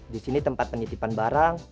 disini tempat penitipan barang